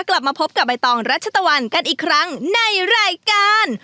กลับมาพบกับใบตองรัชตะวันกันอีกครั้งในรายการ